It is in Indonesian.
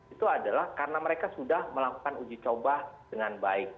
itu adalah karena mereka sudah melakukan uji coba dengan baik